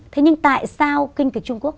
thế nhưng tại sao kinh kịch trung quốc